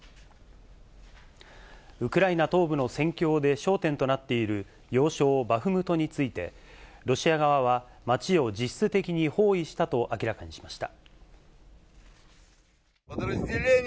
ウクライナ東部の戦況で焦点となっている、要衝バフムトについて、ロシア側は街を実質的に包囲したと明らかにしました。